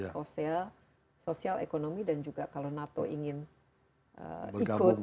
sosial ekonomi dan juga kalau nato ingin ikut